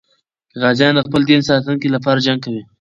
غازیان د خپل دین د ساتنې لپاره جنګ کوي.